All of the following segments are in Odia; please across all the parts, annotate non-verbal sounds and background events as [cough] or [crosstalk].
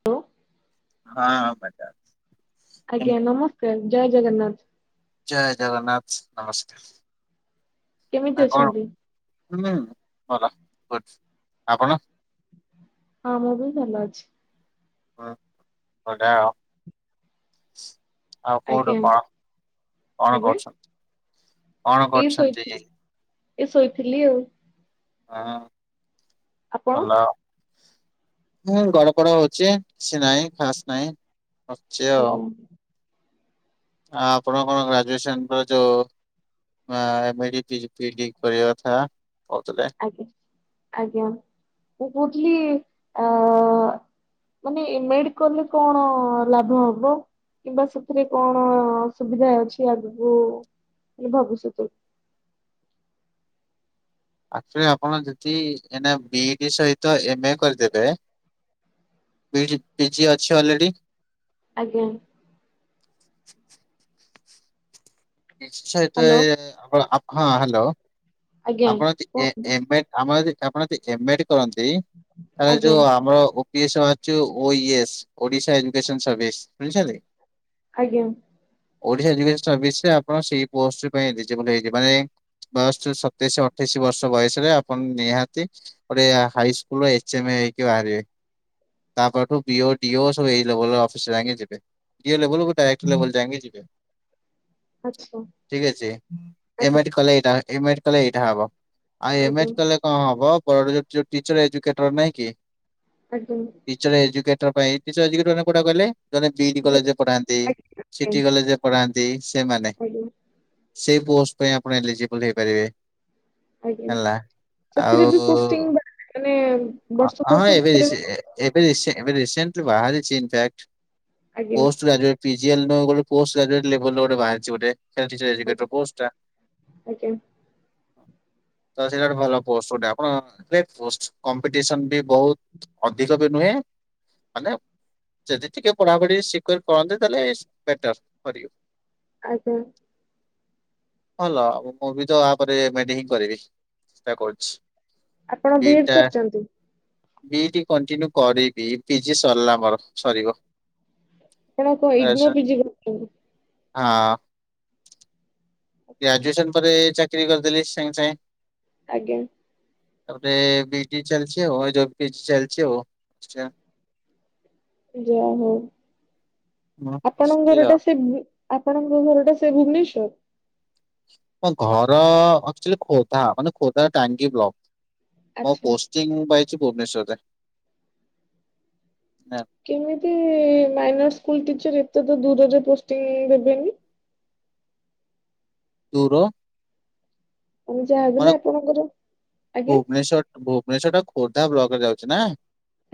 ହାଲୋ। ହଁ ପାଜା। ଆଜ୍ଞା ନମସ୍କାର ଜୟ ଜଗନ୍ନାଥ। ଜୟ ଜଗନ୍ନାଥ ନମସ୍କାର। କେମିତି କଣ ଅଛନ୍ତି? ହୁଁ ଭଲ ଗୁଡ୍ସ୍ ଆପଣ? ହଁ ମୁଁ ବି ଭଲ ଅଛି। ହଁ ଅଧା ଆଉ କୋଉଠୁ ଆଜ୍ଞା କଁ କଣ ଆଜ୍ଞା କରୁଛନ୍ତି? କଣ ଏଇ କରୁଛନ୍ତି ଶୋଇଥିଲି ଏଇ ଶୋଇଥିଲି ଆଉ। ହଁ ଆପଣ ଭଲ ଆଉ। ହୁଁ ଘର କଡରେ ଅଛି କିଛି ନାହିଁ ଖାସ୍ ନାହିଁ ଅଛି ଆଉ। ଆଜ୍ଞା ଆଉ ଆପଣ କଣ ଗ୍ରାଜୁଏସନ୍ ପରେ ଯୋଉ ଆ M A D P H P H D କରିବା କଥା କହୁଥିଲେ। ଆଜ୍ଞା ଆଜ୍ଞା ମୁଁ କହୁଥିଲି ଆ ମାନେ ଏମ୍ ଏ ଡି କଲେ କଣ ଲାଭ ହବ? କିମ୍ବା ସେଥିରେ କଣ ସୁୁବିଧା ଅଛି ଆଗକୁ ମୁଁ ଭାବୁଛି ସେତବେଳୁ‌। ଆକ୍ଚୁଲିରେ ଆପଣ ଯଦି ଏବେ ବି ଡି ସହିତ ଏମ୍ କରିଦେବେ ବି ଡି ପି ଜି ଅଛି ଅଲରେଡି? ଆଜ୍ଞା। ନିଶ୍ଚୟ ହ୍ୟାଲୋ ସେଥିପାଇଁ ଆପଣ ହଁ ହ୍ୟାଲୋ। ଆଜ୍ଞା ଆପଣ ଯଦି ଏ କୁହନ୍ତୁ ଏବେ ଆମର ଯଦି ଆପଣ ଯଦି ଏମ ଏଡ କରନ୍ତି ତାହେଲେ ଆଜ୍ଞା ଯୋଉ ଆମର ଇଏସ ବାହାରିଛି ଓ ଇ ଏସ ଓଡ଼ିଶା ଇନସ୍ପେସନ ସର୍ଭିସ ଶୁଣିଛନ୍ତି? ଆଜ୍ଞା। ଓଡିଶା ଏଜୁକେଶନ ସର୍ଭିସରେ ଆପଣ ସେଇ ପୋଷ୍ଟ ପାଇଁ ଏଲିଜିବୁଲ ହେଇକି ମାନେ ବୟସ ସତେଇଶ ଅଠେଇଶି ବର୍ଷ ବୟସରେ ଆପଣ ନିହାତି ଗୋଟେ ହାଇସ୍କୁଲ ଏଚ ଏମ୍ ଏ ହେଇକି ବାହାରିବେ। ତାପରଠୁ ବିଓ ଡିଓ ସବୁ ଏଇ ଲେବୁଲ୍ ଅଫିସର୍ ଯାଙ୍କେ ଯିବେ ଇଏ ଲେବଲକୁ ଟାଇଟ ଲେବଲ ଜାଙ୍କେ ଯିବେ। ଆଚ୍ଛା ଠିକ ଅଛି ଆଜ୍ଞା ଏମିତି କଲେ ଏଇଟା ଏମିତି କଲେ ଏଇଟା ହବ। ଆ ଏମେଏଟ୍ ଆଜ୍ଞା କଲେ କଣ ହବ ଟିଚର୍ ଏଜୁକେଟର ନାଇଁ କି ଆଜ୍ଞା। ଟିଚର୍ସ ଏଜୁକେଟର ପାଇଁ ଟିଚର୍ସ ଏଜୁକେଟର ମାନେ କାଉଟା କହିଲେ ଯୋଉମାନେ ବିଇଡି ଯୋଉ କଲେଜରେ ପଢାନ୍ତି। ଆଜ୍ଞା ସିଟି କଲେଜରେ ପଢାନ୍ତି ସେମାନେ ହ୍ୟାଲୋ। ସେଇ ପୋଷ୍ଟ ପାଇଁ ଆପଣ ଇଲିଜିିବୁଲ ହେଇପାରିବେ। ଆଜ୍ଞା ହେଲା ସେଥିରେ ଆଉ ବି ପୋଷ୍ଟିଂ ମାନେ ବର୍ଷ ହଁ ବର୍ଷ ଏବେ ସେଥିରେ ବି [unintelligible] ଏବେ ଏବେ ରିସେଣ୍ଟଲି ବାହାରିଛି ଇନ୍ଫାକ୍ଟ ଆଜ୍ଞା post graduate P G L ପାଇଁ ଗୋଟେ ପୋଷ୍ଟ [unintelligible] ଲେବେଲ ର ଗୋଟେ ବାହାରିଛି ବୋଧେ ଆଜ୍ଞା [unintelligible] ପୋଷ୍ଟ ଟା। ଆଜ୍ଞା। ତ ସେଇଟା ଗୋଟେ ଆପଣ [unintelligible] ପୋଷ୍ଟ କମ୍ପିଡିସନ ବି ବହୁତ। ଅଧିକବି ନୁହେଁ ମାନେ ଯଦି ଟିକେ ପଢାପଢି ସେକ୍ୟୁର କରନ୍ତି ତାହେଲେ ବେଟର କରିବ। ଆଜ୍ଞା। ଭଲ ହବ ମୁଁ ବି ତ ଆ ପରେ ମେଡି ହିଁ କରିବି ଚେଷ୍ଟା କରୁଛି। ଆପଣ ବି ଇଡି ବିଟା କରିଛନ୍ତି? ବିଇଡି କଣ୍ଟିନ୍ୟୁ କରିବି ପିଜି ସରିଲା ମୋର ସରିବ। ଆପଣ କଣ ଆଚ୍ଛା [unintelligible] ପିଜି କରିଛନ୍ତି ହଁ। ଆଚ୍ଛା ଗ୍ରାଜୁଏସନ ପରେ ଚାକିରି କରିଦେଲି ସାଙ୍ଗେ ସାଙ୍ଗେ। ଆଜ୍ଞା। ତାପରେ ବିଜି ଚାଲିଛି ଆଉ ଏଇଯୋଇ ପିଜି ଚାଲିଛି ଆଉ। ଯା ହଉ ହଁ, ଆପଣ ହଷ୍ଟେଲ। ଘର ଟା ସେ ଆପଣଙ୍କ ଘର ଟା ସେଇ ଭୁବନେଶ୍ଵର? ମୋ ଘର ଏକ୍ଟୁଲି ଖୋର୍ଦ୍ଧା ମାନେ ଖୋର୍ଦ୍ଧ ଟାଙ୍ଗି ବ୍ଲକ ମୋ ଆଚ୍ଛା ପୋ [inaudible] ପାଇଛି ଭୁବନେଶ୍ୱରରେ। ନା କେମିତି ମାଇନର ସ୍କୁଲ ଟିଚର ଏତେ ତ ଦୂରରେ ପୋଷ୍ଂ ଦେବେନି? ଦୂର? ଆମେ ଯାହାବି ହେଲେ ମାନେ ଆପଣଙ୍କର ଆଜ୍ଞା ଭୁବନେଶ୍ଵର ଭୁବନେଶ୍ଵର ଟା ଖୋର୍ଦ୍ଧା ବ୍ଲକରେ ଯାଉଛି ନା?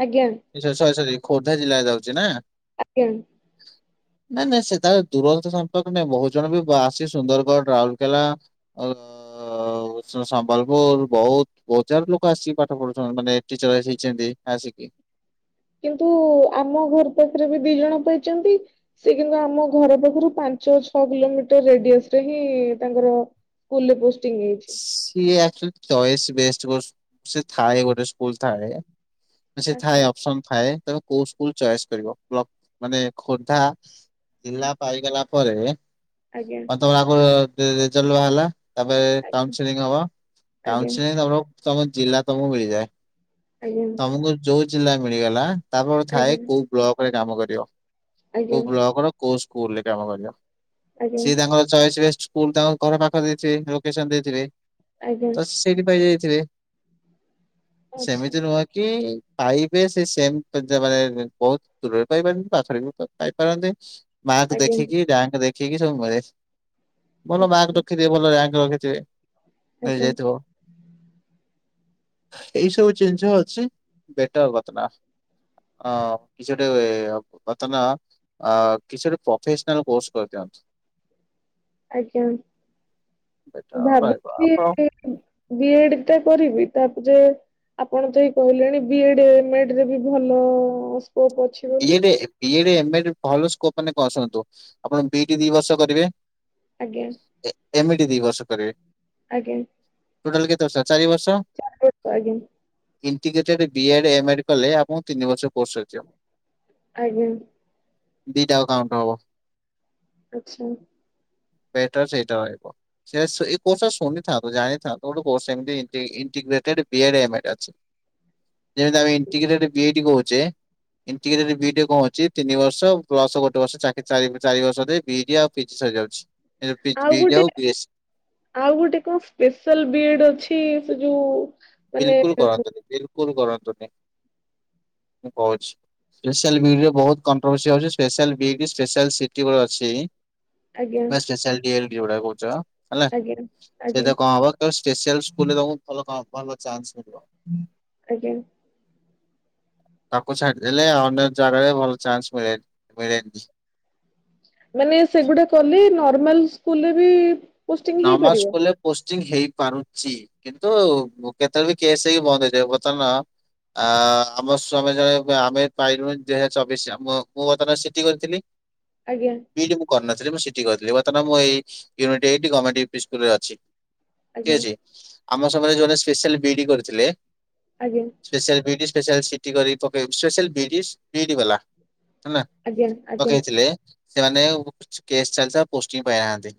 ଆଜ୍ଞା। ସରି ସରି ଖୋର୍ଦ୍ଧା ଜିଲ୍ଲାରେ ଯାଉଛି ନା। ଆଜ୍ଞା। ନାଇଁ ନାଇଁ ସେଟ ଦୂର ସମ୍ପର୍କ ନାଇଁ ବହୁତ ଜଣ ବି ଆସି ସୁନ୍ଦରଗଡ଼ ରାଉରକେଲା ଆ ଓଡ଼ିଶା ର ସମ୍ବଲପୁର ବହୁତ ବହୁସାରା ଲୋକ ଆସିକି ପାଠ ପଢ଼ୁଛନ୍ତି ମାନେ ଟିଚର୍ସ ହେଇଛନ୍ତି ଆସିକି। କିନ୍ତୁ ଆମ ଘର ପାଖରେ ବି ଦି ଜଣ ପାଇଛନ୍ତି। ସେ କିନ୍ତୁ ଆମ ଘର ପାଖରୁ ପାଞ୍ଚ ଛଅ କିଲୋମିଟର ରେଡିଅସ ରେ ହିଁ ତାଙ୍କର ସ୍କୁଲରେ ପୋଷ୍ଟଟିଂ ସିଏ ଆଚୁଏଲି ଚଏସ ବେଷ୍ଟ କୋଷ ସେ ଥାଏ ଗୋଟେ ସ୍କୁଲ ଥାଏ ସେ ଥାଇ ଆଚ୍ଛା ଅପସନ ଥାଏ ତମେ କୋଉ ସ୍କୁଲ ଚଏସ୍ କରିବ, ମାନେ ଖୋର୍ଦ୍ଧା ଜିଲ୍ଲା ପାଇଗଲା ପରେ ଆଜ୍ଞା। ମାନେ ତମର ଆଗରୁ ତେ ରେଜଲ୍ଟ ବାହାରିଲା ତାପରେ କାଉନସିଲଂ ହବ। ଆଜ୍ଞା କାଉନସିଲଂ ତମର ତମ ଜିଲ୍ଲା ତମକୁ ମିଳିଯାଏ। ଆଜ୍ଞା। ଆମକୁ ଯୋଉ ଜିଲ୍ଲା ମିଳିଗଲା ତାପରେ ଗୋଟେ ଆଜ୍ଞା ଥାଏ କୋଉ ବ୍ଲକ ରେ କାମ କରିବ। ଆଜ୍ଞା ଆଜ୍ଞା କୋଉ ବ୍ଲକ ର କୋଉ ସ୍କୁଲରେ କାମ କରିବା ଆଜ୍ଞା ସିଏ ତାଙ୍କର ଚଏସବେଶ ସ୍କୁଲ ତାଙ୍କ ଘର ପାଖ ଦେଇଥିବେ, ଲୋକେସନ ଦେଇଥିବେ, ଆଜ୍ଞା। ତ ସେଇଠି ପାଇ ଯାଇଥିବେ। ଆଚ୍ଛା ସେମିତି ନୁହଁ କି ପାଇବେ ସେ ସେ ମାନେ ବହୁତ ଦୂରରେ ପାଇପାରନ୍ତି, ପାଖରେ ବି ପାଇପାରନ୍ତି ମାର୍କ ଆଜ୍ଞା ଦେଖିକି ରାଙ୍କ ଦେଖିକି ସବୁ ମିଳେ। ଭଲ ଆଚ୍ଛା ମାର୍କ ରଖିଥିବେ, ଭଲ ରାଙ୍କ ରଖିଥିବେ। ମିଳି ଯାଇଥିବ। ହୁଁ ଏଇ ସବୁ ଜିନିଷ ଅଛି, ବେଟର କଥା ନା ଅ କିଛିଟା ବତ ନା ଅ କିଛି ଗୋଟେ ପ୍ରଫେସନାଲ କୋର୍ସ କରିଦିଅନ୍ତୁ। ଆଜ୍ଞା ବେଟର ଆଉ ରହିବ ଆପଣ ଭାବୁଥିଲି ବି ଏ ଡ ଟା କରିବି, ତାପରେ ଆପଣ ତ ଏଇ କହିଲେଣି ବି ଏ ଡ, ଏ ମ ଡ ରେ ବି ଭଲ ସ୍କୋପ୍ ଅ ବି ଏ ଡ, ଏ ମ ଡ ରେ ଭଲ ସ୍କୋପ୍ ମାନେ କଣ ଶୁଣନ୍ତୁ, ଆପଣ ବି ଇ ଡି ଦି ବର୍ଷ କରିବେ ଆଜ୍ଞା। ଏ ମି ଡି ଦି ବର୍ଷ କରିବେ। ଆଜ୍ଞା। ଟୋଟାଲ କେତେ ବର୍ଷ ହେଲା, ଚାର ବର୍ଷ। ଚା ଆ [unintelligible] ଇଣ୍ଟିଗ୍ରେଟେଡ ବି ଏ ଡ, ଏ ମ ଡ କଲେ ଆପଣ ତିନି ବର୍ଷ କୋର୍ସ ସରିଯିବ। ଆଜ୍ଞା। ଦିଟାଙ୍କ କାଉଣ୍ଟର ହବ। ଆଚ୍ଛା। ବେଟର ସେଇଟା ରହିବ। ସେ ଏଇ କୋର୍ସଟା ଶୁଣିଥାନ୍ତି, ଜାଣିଥାନ୍ତୁ ଗୋଟେ କୋଷ ଏମତି ଇଣ୍ଟିଗ୍ରେଟେଡ ବି ଏ ଡ, ଏ ମ ଡ ଅଛି। ଯେମିତି ଆମେ ଇଣ୍ଟିଗ୍ରେଟେଡ ବି ଏ ଡି କହୁଛେ ଇଣ୍ଟିଗ୍ରେଟେଡ ବି ଏ ଡି ରେ କଣ ହଉଛି, ତିନି ବର୍ଷ ପ୍ଲସ ଗୋଟେ ବର୍ଷ ଚାରି ଚାରି ଚାରି ବର୍ଷ ରେ ବି ଇ ଡି ଆଉ ପିଜ ସରିଯାଉଛି। ଆଉ ବିଇଡି ଗୋଟେ ବିଏସି ଆଉ ଗୋଟେ କଣ ସ୍ପେଶାଲ ବି ଏ ଡ ଅଛି। ସେ ଯୋଉ ମାନେ ବିଲକୁଲ କରନ୍ତୁନି, ବିଲକୁଲ କରନ୍ତୁନି। ମୁଁ କହୁଛି। ସେପ୍ସିଆଲ ବିଡି ରେ ବହୁତ୍ କଣ୍ଟ୍ରଭସି ହୋଉଛି ସେପ୍ସିଆଲ ବିଡି ସ୍ପେଶାଲ ସିଟି ଅଛି। ଆଜ୍ଞା ସେପ୍ସିଆଲ ଡିଏଲ୍ଡି ଯୌଡା କହୁଛ ହେଲା ଆଜ୍ଞା ଆଜ୍ଞା ସେଟା କଣ ହବ ସେପ୍ସିଆଲ ସ୍କୁଲ୍ ରେ ଭଲ ଚାନ୍ସ ମିଳିବ। ଆଜ୍ଞା। ତାକୁ ଛାଡିଦେଲେ ଅନ୍ୟ ଜାଗାରେ ଭଲ ଚାନ୍ସ ମିଳେନ ମିଳେନି। ମାନେ ସେଗୁଡା କଲେ ନର୍ମାଲ ସ୍କୁଲରେ ବି ପୋଷ୍ଟିଂ ନର୍ମାଲ ହେଇପାରିବ ସ୍କୁଲ ରେ ପୋଷ୍ଟିଙ୍ଗ ହେଇପାରୁଛି କିନ୍ତୁ କେତେବେଳେ ବି କେସ୍ ହେଇକି ବନ୍ଦ ହେଇଯିବ ପଚାରୁନ ଆ ଆମ ସ୍ୱାମୀ ଜଣେ ଆମେ ପାଇଲୁ ଦୁଇ ହଜାର ଚବିଶୀ ଆମେ ମୁଁ ବର୍ତ୍ତମାନ ସିଠି କରିଥିଲି। ଆଜ୍ଞା। ବିଡି ମୁଁ କରିନଥିଲି ମୁଁ ସିିଟି କହିଥିଲି ବର୍ତ୍ତମାନ ମୁଁ ଏଇ [inaudible] ଅଛି। ଠିକ ଆଜ୍ଞା ଅଛି ଆମ ସମୟରେ ଯୋମନେ ସ୍ପେଶାଆଲ ବିଡି କରିଥିଲେ ଆଜ୍ଞା। ସ୍ପେଶାଲ ବିଡି ସ୍ପେଶାଲ ସିଟି କରି ପକେଇବ ସ୍ପେଶାଲ ବିଡି ବିଡି ବାଲା ହେନା ଆଜ୍ଞା ଆଜ୍ଞା ପକେଇଥିଲେ ସେମାନେ କେସ୍ ଚାଲିଥିଲା ପୋଷ୍ଟିଂ ପାଇନାହାନ୍ତି।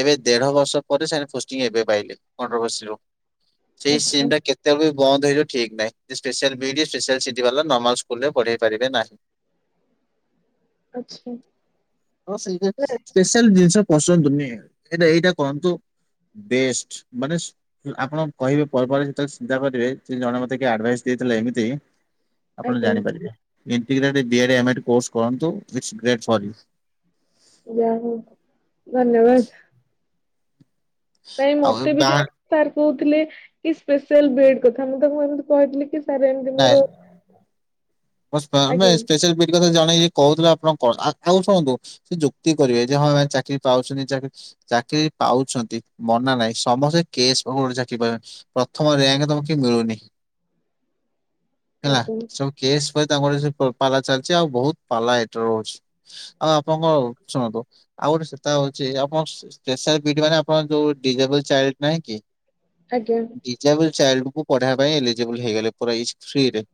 ଏବେ ଦେଢ ବର୍ଷ ପରେ ସେ ପୋଷ୍ଟିଙ୍ଗ ଏବେ ପାଇଲେ [unintelligible] ଯୋଉ ସେ ଆଚ୍ଛା ସିନ୍ ଟା କେ କେତେ ବି ବନ୍ଦ ହେଇ ଠିକ ନାହିଁ ଯେ ନର୍ମାଲ ବିଇଡି ନର୍ମାଲ ସିଟି ବାଲା ନର୍ମାଲ ସ୍କୁଲ୍ ରେ ପଢେଇ ପାରିବେ ନାହିଁ। ଆଚ୍ଛା ହ ସେଇଟା ନା ସ୍ପେଶାଲ ଜିନିଷ ପସନ୍ତ ନୁହେଁ। ହେଲେ ଏଇଟା କରନ୍ତୁ ବେଷ୍ଟ ମାନେ ଆପଣ କହିବେ ପରେ ପରେ ଯେତେବେଳେ ଚିନ୍ତା କରିବେ ସେ ଜଣେ ମତେ କିଏ ଆଡଭାଇସ ଦେଇଥିଲେ ଏମିତି ଆପଣ ଆଜ୍ଞା ଜାଣିପାରିବେ integrated D A ଡ୍, M A D course କରନ୍ତୁ। If great for you. ଯା ହଉ ଧନ୍ୟବାଦ। ନାଇଁ ଆଉ ଏ ମତେ ବି ବାହା ଜଣେ ସାର୍ କହୁଥିଲେ କି ସ୍ପେଶାଲ ବି ଏ ଡ କଥା ମୁଁ ତାକୁ ଏମତି କହିଥିଲି କି ସାର୍ ଏମତି ମୋର ସ୍ପା ଆମେ ଆଜ୍ଞା ସ୍ପେଶାଲ ବିଡ୍ କଥା ଜଣେଇକି କହୁଥିଲା ଆପଣ କଣ ଆଉ ଶୁଣନ୍ତୁ ସେ ଯୁକ୍ତି କରିବେ ଯେ ହଁ ଏମାନେ ଚାକିରି ପାଉୁଚନ୍ତି ଚାକିରି ଚାକିରି ପାଉଛନ୍ତି ମନା ନାଇଁ ସମସ୍ତେ କେସ୍ [inaudible] ଚାକିରି ପାଏ। ପ୍ରଥମ ରାୟଙ୍କ ତମ କୁ କିନ୍ତୀ ମିଳୁନି? ହେଲା ଆଜ୍ଞା ସବୁ କେସ୍ ପରେ ତାଙ୍କର ସବୁ ପାଲା ଚାଲିଛି ଆଉ ବହୁତ ପାଲା ଏଥର ରହୁଛି। ଆଉ ଆପଣଙ୍କ ଶୁଣନ୍ତୁ ଆଉ ଗୋଟେ ସେତା ହଉଛି ଆପଣ ସେ ସ୍ପେସାଲ୍ ବି ଇ ଡି ମାନେ ଆପଣଙ୍କ ଯୋଉ ଡିଜେବଲ ଚାଇଲଡ୍ ନାହିଁ କି? ଆଜ୍ଞା। ଡିକାବୁଲ ଚାଇଲ୍ଡ କୁ ପଢବା ପାଇଁ ଏଲିଜିବୁଲ୍ ହେଇଗଲେ ପୁରା ଫ୍ରି ରେ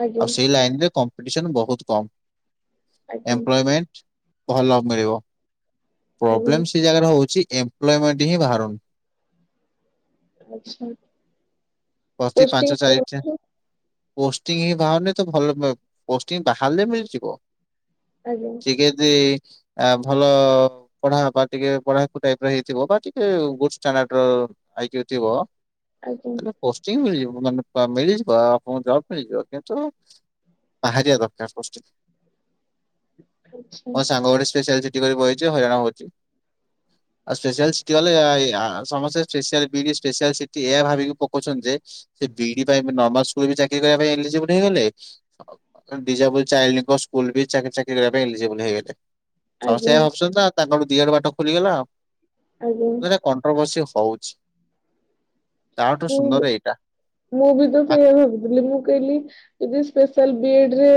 ଆଜ୍ଞା ଆଉ ସେ ଲାଇନରେ କମ୍ପିଟିସନ ବହୁତ କମ୍ ଆଜ୍ଞା ଏମ୍ପ୍ଲୟମେଣ୍ଟ ଭଲ ମିଳିବ ଆଜ୍ଞା ପ୍ରୋବ୍ଲେମ ସେ ଜାଗାରେ ହଉଛି ଏମ୍ପ୍ଲୟମେଣ୍ଟ ହିଁ ବାହାରୁନି। ଆଛା। ଅତି ପାଞ୍ଚ ଚାରିଟା ପୋଷ୍ଟିଂ ହଁ ବାରୁନି ତ ଭଲ ପ ପୋଷ୍ଟିଂ ବାହାରିଲେ ମିଳିଯିବ। ଆଜ୍ଞା। ଟିକେଦି ଆ ଭଲ ପଢା ବା ଟିକେ ପଢା କୁ ଟାଇପ୍ ର ହେଇଥିବ ବା ଟିକେ ଗୁଡ ଷ୍ଟାଣ୍ଡଡ୍ ଆଇ କୋଉ ହେଇଥିବ ଆଜ୍ଞା ପୋଷ୍ଟିଙ୍ଗ ମିଳିଯିବ ମାନେ ପା ମିଳିଯିବ ଆଣଙ୍କୁ ଜବ୍ ମିଳିଯିବ କିନ୍ତୁ ବାହାରିଆ ଦରକାର ପୋଷ୍ଟିଙ୍ଗ ଆଚ୍ଛା ମୋ ସାଙ୍ଗ ଗୋଟେ ସ୍ପେସିଆଲ ବହିଛି ହଇରାଣ ହଉଛି। ଆଉ ସ୍ପେଶଆଲ ସିଟି ଗଲେ ସମସ୍ତେ ସ୍ପେଶଆଲ ବି ସ୍ପେଶାଲ ସିଟି ଏଇଆ ଭାବିକି ପ କହୁଛନ୍ତି ଯେ ବିଇଡି ନମର୍କୁ ବି ଚାକିରି କରିବା ପାଇଁ ଏଲିଜିିବଲ ହେଇଗଲେ ଡିଯାବୁଲ ସ୍କୁଲ ବି ଚାକି ଚାିରି ଏଲିଜିବଲ ହେଇଗଲେ। [unintelligible] ଆଜ୍ଞା ଭାବୁଛନ୍ତି ନା ତାଙ୍କଠୁ ଦିଆଡେ ବାଟ ଖୋଲିଗଲା ଆଉ। ଆଜ୍ଞା କଣ୍ଟ୍ରଭସି ହଉଛି ତା ମୁଁ ବି ମୁଁ ବି ତ ସେଇୟ ଭାବୁଥିଲି ମୁଁ କହିଲି ଯଦି ସ୍ପେଶାଲ ବିଇଡ ରେ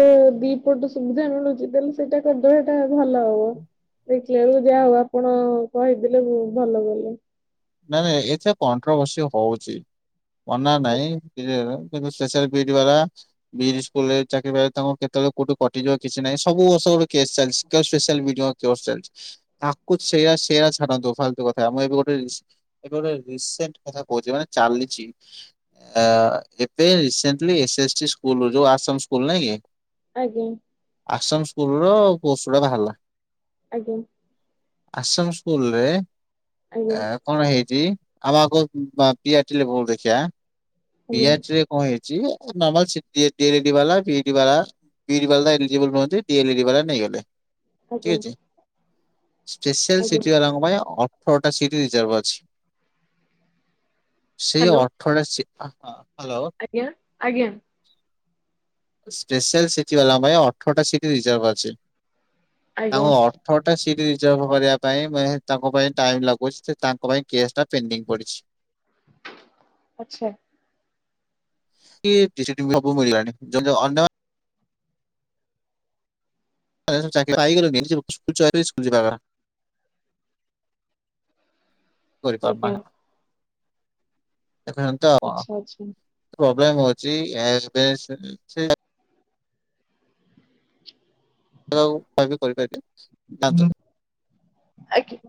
ଦି ପଟୁ ସୁବିଧା ମିଳୁଛି ତାହେଲେ ସେଇଟା କରିଦେବେ ସେଇଟା ଭଲ ହବ। ଦେଖିଲେ ବେଳୁ ଯାଆ ହଉ ଆପଣ କହିଦେଲେ ଭଲ କଲେ। ନାଇଁ ନାଇଁ ଏତେ କଣ୍ଟ୍ରଭର୍ସି ହଉଛି ମନା ଆ- ନାଇଁ ଶେଷରେ ବିଇଡ ଵାଲା ବିଜ ସ୍କୁଲ ରେ ଚାକିରି ବା ତାଙ୍କ କେତେବେଳେ କୋଉଠି କଟିଯିବ କିଛି ନାହିଁ ସବୁ ବର୍ଷ କେ ସ୍ପେଶଲ ବିିଡିଓ ଚା ତାକୁ ସେଇା ସେଇା ଛାଡ଼ନ୍ତୁ ଫାଲତୁ କଥା ମୁଁ ଏବେ ଗୋଟେ ଏବେ ରିସେଣ୍ଟ କଥା କହୁଛ ମାନେ ଚାଲିଚି ଏବେ ରେସେଣ୍ଟଲି ଏସଏସଟି ସ୍କୁଲ ଯୋଉ ଅସସମ ସ୍କୁଲ ନାହିଁ କି ଆଜ୍ଞା ଆସାମ ସ୍କୁଲ ର ପୋଷ୍ଟଟୁା ବାହାରିଲା ଆଜ୍ଞା ଆସାମ ସ୍କୁଲରେ ଆଜ୍ଞା ଆ କଣ ହେଇଛିି ଆମ ଆଗ ପିଆରେ ବ ଦେଖିବା ଆଜ୍ଞା ପିଆରେ କଣ ହେଇଛିର୍ମା ବାଡି ବାଲା ବିଇ ବା ଏଲିଜିିବଲ୍ୁହନ୍ତି ଡିଇଡି ବାଲା ନେଇଗଲେ। ଠିକ ଆଜ୍ଞା ଅଛି। ସ୍ପେଶାଲ ଆଜ୍ଞା ସିଟି ଅ ରଙ୍ଗ ପାଇଁାଇ ଅଠରଟା ସିଟି ରିଜାର୍ଭ ଅଛି। ସେଇ ହ୍ୟାଲୋ ଅର୍ଥଟ ହ୍ୟାଲୋ ଆଜ୍ଞା ଆଜ୍ଞା ସ୍ପେଶାଲ ସିଟି ବାଲା ପାଇଁ ଅଠରଟା ସିଟି ରିଜର୍ଭ ଅଛି ଆଜ୍ଞା ତାଙ୍କୁ ଛଅଟା ସିଟ୍ ରିଜର୍ଭ କରିବା ପାଇଁ ମ ତାଙ୍କ ପାଇଁ ଟାଇମ୍ ଲାଗୁଛି ସେ ତାଙ୍କ ପାଇଁ କେସ୍ଟା ପେଣ୍ଡିଙ୍ଗ ପଡ଼ିଛି। ଆଛା ସବୁ ମିଳଗଣି ଅନ୍ୟ ଚାକିରି ପାଇଗଲେଣି [unintelligible] ଆଜ୍ଞା କରିପାରୁନାହାନ୍ତି [unintelligible] ତ ଆଉ କଣ ଆଚ୍ଛା ଆଚ୍ଛା ପ୍ରୋବ୍ଲେମ ହଉଛି ଏଜ ବେସ [unintelligible] ଆଜ୍ଞା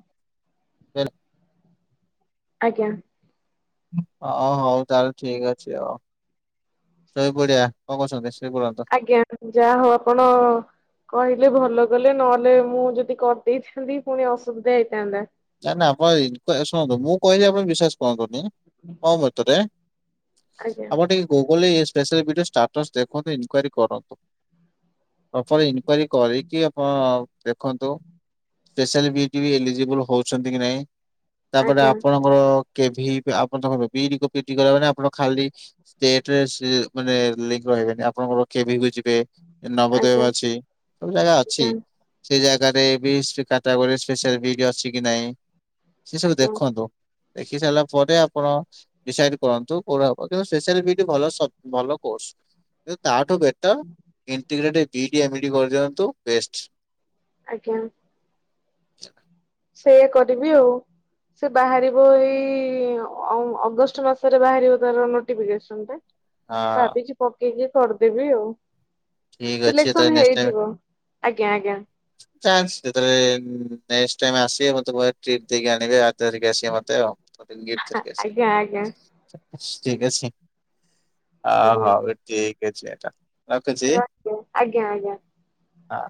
[unintelligible] ଆଜ୍ଞା ଓ ହଉ ତାହେଲେ ଠିକ ଅଛି ଆଉ। ଶୋଇ ପଡିଆ କଣ କହୁଛନ୍ତି ସୋଇ ପଡନ୍ତୁ। ଆଜ୍ଞା ଯାହା ହଉ ଆପଣ କହିଲେ ଭଲ କଲେ ନହେଲେ ମୁଁ ଯଦି କରିଦେଇଥାନ୍ତି ପୁଣି ଅସୁବିଧା ହେଇଥାନ୍ତା। ନାଇ ନା ଆପଣ ଶୁଣନ୍ତୁ ମୁଁ କହିଲି ଆପଣ ବିଶ୍ଵାସ କରନ୍ତୁନି [unintelligible] [unintelligible] ଆମର ଆଜ୍ଞା ଟିକେ ଗୁଗୁଲି [unintelligible] ଷ୍ଟାଟସ୍ ଦେଖୁନ୍ତୁ ଇନୱାରି କରନ୍ତୁ। ପ୍ରପର ଇନକ୍ୱାରି କରିକି ଆପଣ ଦେଖନ୍ତୁ। ସ୍ପାଲ ବି ଏଲିଜିିବଲ ହଉଛନ୍ତି କି ନାଇଁ ତାପରେ ଆଜ୍ଞା ଆପଣ ଆର କେ ଆପଣ ତ କହେ ବିଡି ପିଟି କରିବା ମାନେ ଆପଣ ଖାଲି ଷ୍ଟେଟରେ ସେ ମାନେ ଲିଙ୍କ ରହିବେନି ଆପଣଙ୍କର କେଭିକୁ ଯିବେ ଆଜ୍ଞା ନବଦେବ ଅଛି ସବୁ ଜାଗା ଅଛି। ଆଜ୍ଞା ସେ ଜାଗାରେ ବି କାଟାଗୋରରେ ସ୍ପସିାଆଲ ଭିଡ଼ି ଅଛି କି ନାହିଁ ସେ ସବୁ ଆଜ୍ଞା ଦେଖନ୍ତୁ। ଦେଖି ସାରିଲା ପରେ ଆପଣ ଡିସାଇଡ କରନ୍ତୁ କୋା ହ କିନ୍ତୁ ସ୍ପାଲ ଭଲ ସ ଭଲ କୋର୍ସ କିୁ ତାଠୁ ବେଟରଇଣ୍ଗ୍ ଇଡ଼ିଆ ମିଡି କରିଦିଅନ୍ତୁ ବେଷ୍ଟା। ଆଜ୍ଞା। ସେଇଆ କରିବି ଆଉ। ସେ ବାହାରିବ ଏଇ ଅ ଅଗଷ୍ଟ ମାସରେ ବାହାରିବ ତାର ନୋଟିଫିକସ। ଆସ ହଁ ଭାବିଛି ପକେଇକି କରିଦେବି ଆଉ। ଠିକ ଅଛି ତାହେଲେ ସିଲେକ୍ସନ ନେକ୍ସଟ ହେଇଯିବ ଆଜ୍ଞା ଆଜ୍ଞା। ଚା ଯେତେବେଳେ ନେ ସ୍ ଟାଇମ୍ ଆସିବେ ମତେ କହିବେ କ୍ରିଟ ଦେଇକି ଆଣିବେ। ଧରିକ ଆସିବେ ମତେ ଆଉ ଗିଫ୍ଟ ଧରିକି ଆଜ୍ଞା ଆଜ୍ଞା ଆସିବେ। ଠିକ ଅଛି ଅ ଆଜ୍ଞା ହଉ ଠିକ ଅଛି ଏଟା ରଖୁଛି। ଆଜ୍ଞା ଆଜ୍ଞା। ହଁ।